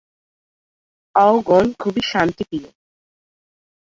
অওগণ খুবই শান্তিপ্রিয়।